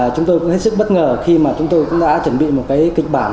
chúng tôi cũng rất bất ngờ khi mà chúng tôi cũng đã chuẩn bị một cái kịch bản